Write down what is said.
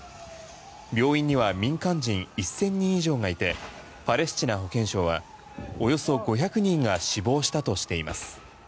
病院には民間人１０００人以上がいてパレスチナ保健省はおよそ５００人が死亡したとしています。